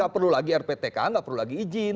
gak perlu lagi rptka gak perlu lagi izin